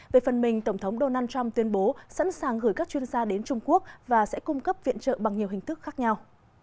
về phần mình tổng thống donald trump tuyên bố sẵn sàng gửi các chuyên gia đến trung quốc và sẽ cung cấp viện trợ bằng nhiều hình thức khác nhau